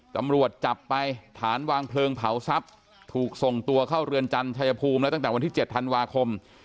ตำรวจจับไปฐานวางเพลิงเผาทรัพย์ถูกส่งตัวเข้าเรือนจำชายภูมิแล้วตั้งแต่วันที่๗ธันวาคม